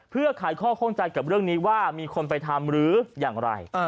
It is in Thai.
เพื่อขายข้อข้องใจกับเรื่องนี้ว่ามีคนไปทำหรืออย่างไร